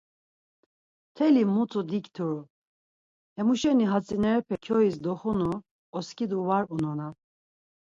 Mteli mutu dikturu, hemuşeni, hatzinerepek kyoiz doxunu oskidu var unonan.